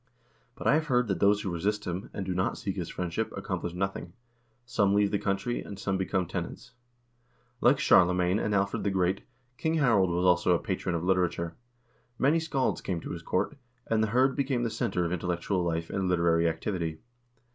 But I have heard that those who resist him, and do not seek his friendship, accomplish nothing. Some leave the country, and some become tenants." 2 Like Charlemagne and Alfred the Great, King Harald was also a patron of literature. Many scalds came to his court, and the hird became the center of intellectual life and literary activity.